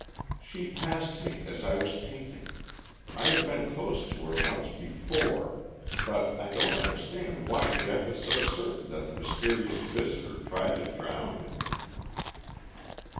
"She passed me as I was painting; I have been close to her once before. But I don't understand why Geoff is so certain that the mysterious visitor tried to drown him."